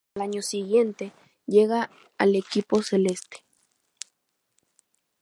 Al año siguiente llega al equipo celeste.